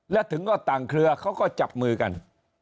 และถึงก็ต่างเครือเขาก็จับมือกัน